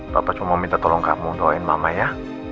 papa cuma mau minta tolong kamu doain mama ya